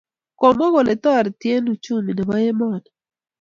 Komwa kole toriti eng uchumi nebo emoni